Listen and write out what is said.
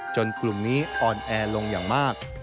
กลุ่มนี้อ่อนแอลงอย่างมาก